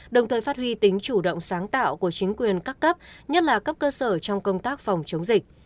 đồng thời phát huy tính chủ động sáng tạo của chính quyền các cấp nhất là cấp cơ sở trong công tác phòng chống dịch